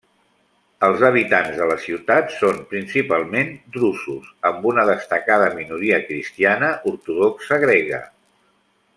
Els habitants de la ciutat són principalment drusos amb una destacada minoria cristiana ortodoxa grega.